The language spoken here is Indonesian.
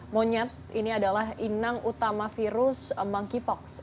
monyet ini adalah inang utama virus monkeypox